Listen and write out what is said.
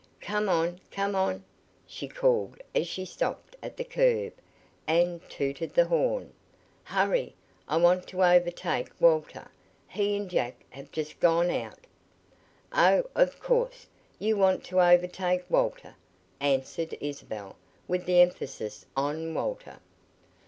"Come on! Come on!" she called as she stopped at the curb and, tooted the horn. "Hurry! I want to overtake Walter. He and Jack have just gone out!" "Oh, of course, you want to overtake Walter," answered Isabel, with the emphasis on "Walter."